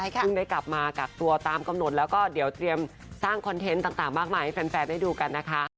ซึ่งได้กลับมากักตัวตามกำหนดแล้วก็เดี๋ยวเตรียมสร้างคอนเทนต์ต่างมากมายให้แฟนได้ดูกันนะคะ